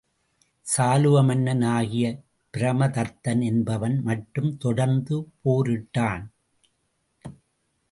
சாலுவ மன்னன் ஆகிய பிரமதத்தன் என்பவன் மட்டும் தொடர்ந்து போர் இட்டான்.